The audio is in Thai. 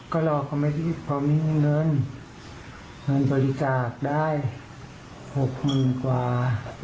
ก็หลอกนะพอมันมีเงินบริจาคได้๖๐๐๐กว่า